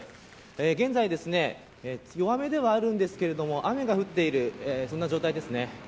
現在、弱めではあるんですが雨が降っているそんな状態ですね。